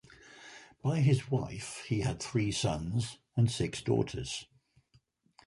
By his wife he had three sons and six daughters.